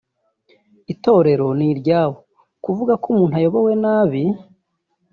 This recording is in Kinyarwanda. Itorero ni iryabo kuvuga ko umuntu ayobowe nabi